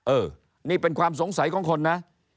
เออนี่เป็นความสงสัยของคนนะ